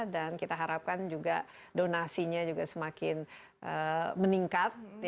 dan kita harapkan juga donasinya juga semakin meningkat